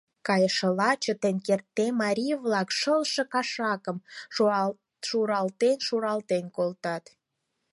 Кайышыла, чытен кертде, марий-влак шылше кашакым шуралтен-шуралтен колтат...